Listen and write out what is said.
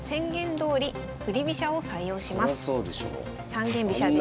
三間飛車です。